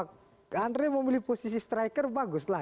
karena memilih posisi striker baguslah